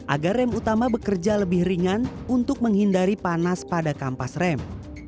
agar rem utama bekerja lebih ringan untuk menghindari panas pada kampas rem